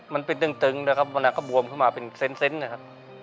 มันเป็นตึงแล้วมันก็บวมขึ้นมาเป็นเซ้นนะครับ